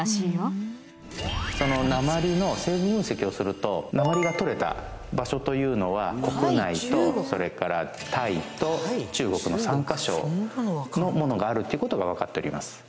その鉛の成分分析をすると鉛が採れた場所というのは国内とそれからタイと中国の３カ所のものがあるっていう事がわかっております。